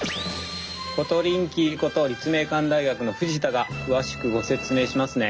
コトリンキーこと立命館大学の藤田が詳しくご説明しますね。